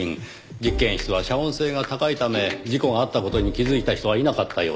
実験室は遮音性が高いため事故があった事に気づいた人はいなかったようです。